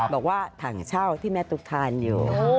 บอกว่าถังเช่าที่แม่ตุ๊กทานอยู่